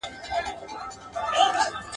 ناوړه طبیب !.